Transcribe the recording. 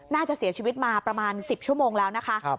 น่าจะเสียชีวิตมาประมาณ๑๐ชั่วโมงแล้วนะคะ